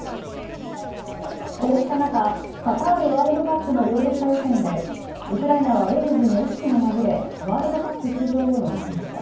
こうした中、カタールワールドカップのヨーロッパ予選で、ウクライナはウェールズに惜しくも敗れ、ワールドカップ出場を逃しました。